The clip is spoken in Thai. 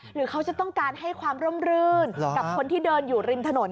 หรือเขาจะต้องการให้ความร่มรื่นกับคนที่เดินอยู่ริมถนน